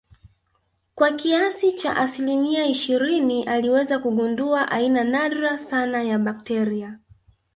kwa kiasi cha asilimia ishirini aliweza kugundua aina nadra sana ya bakteria